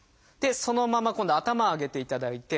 そのまま今度は頭上げていただいて。